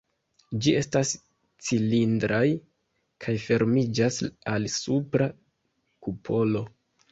Ĝi estas cilindraj kaj fermiĝas al supra kupolo.